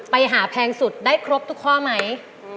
ไปหาแพงสุดได้ครบทุกข้อไหม